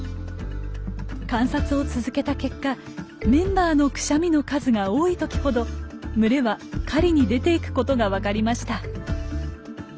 観察を続けた結果メンバーのクシャミの数が多い時ほど群れは狩りに出ていくことが分かりました。